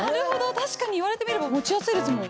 確かに言われてみれば持ちやすいですもん。